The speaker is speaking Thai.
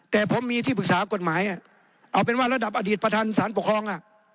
แต่ผมมีที่ปรึกษากฎหมายเอาเป็นว่าระดับอดีตประธานสารปกครอง